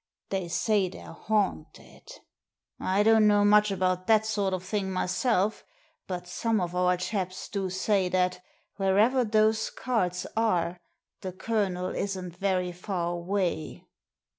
They say they're haunted. I don't know much about that sort of thing myself, but some of our chaps do say that wherever those cards are the Colonel isn't very far away."